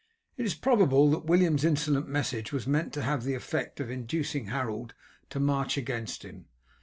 It is probable that William's insolent message was meant to have the effect of inducing Harold to march against him.